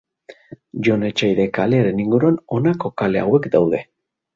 Joan Etxaide kalearen inguruan honako kale hauek daude.